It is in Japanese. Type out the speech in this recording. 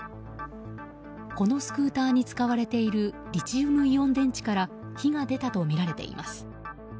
このスクーターに使われているリチウムイオン電池から火が出たとみられています。